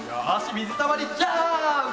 みずたまりジャーンプ！